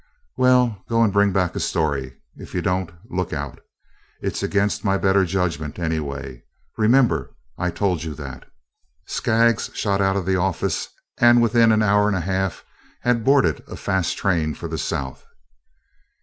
"Well, go and bring back a story. If you don't, look out. It 's against my better judgment anyway. Remember I told you that." Skaggs shot out of the office, and within an hour and a half had boarded a fast train for the South.